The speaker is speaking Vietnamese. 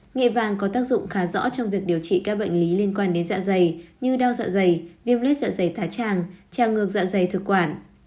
nghệ vàng có tác dụng khá rõ trong việc điều trị các bệnh lý liên quan đến dạ dày như đau dạ dày viêm lết dạ dày thả tràng trào ngược dạ dày thực quản